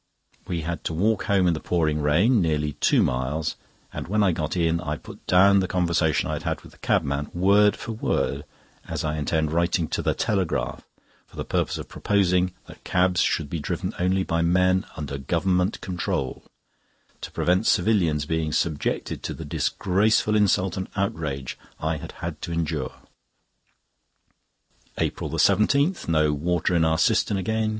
We had to walk home in the pouring rain, nearly two miles, and when I got in I put down the conversation I had with the cabman, word for word, as I intend writing to the Telegraph for the purpose of proposing that cabs should be driven only by men under Government control, to prevent civilians being subjected to the disgraceful insult and outrage that I had had to endure. APRIL 17.—No water in our cistern again.